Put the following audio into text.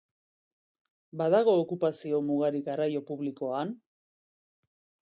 Badago okupazio-mugarik garraio publikoan?